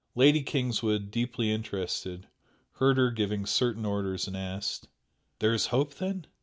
Lady Kingswood, deeply interested, heard her giving certain orders and asked "There is hope then?